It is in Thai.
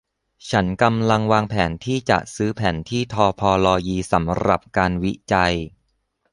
ฉันกำลังวางแผนที่จะซื้อแผนที่ทอพอโลยีสำหรับการวิจัย